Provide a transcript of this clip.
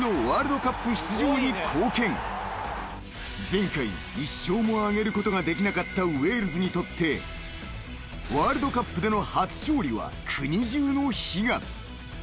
［前回１勝も挙げることができなかったウェールズにとってワールドカップでの初勝利は国中の悲願］